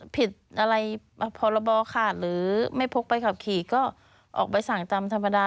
ผิดอะไรพรบขาดหรือไม่พกใบขับขี่ก็ออกใบสั่งตามธรรมดา